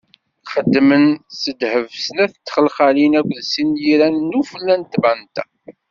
Xedmen s ddheb snat n txelxalin akked sin n yiran n ufella n tbanta.